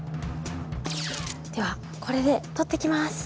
ではこれで撮ってきます。